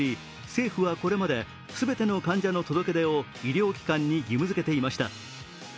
政府はこれまで全ての患者の届け出を医療機関に義務づけていました。